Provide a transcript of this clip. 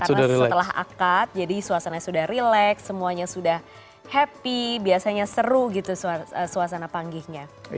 karena setelah akad jadi suasananya sudah rileks semuanya sudah happy biasanya seru gitu suasana panggihnya